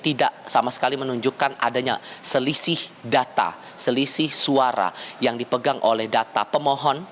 tidak sama sekali menunjukkan adanya selisih data selisih suara yang dipegang oleh data pemohon